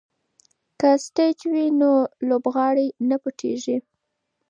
که سټیج وي نو لوبغاړی نه پټیږي.